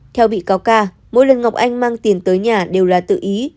theo bị cáo ca mỗi lần ngọc anh mang tiền tới nhà đều là tự ý